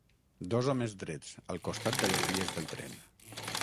Dos homes drets al costat de les vies del tren.